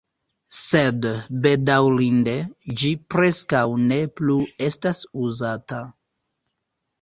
Sed bedaŭrinde, ĝi preskaŭ ne plu estas uzata.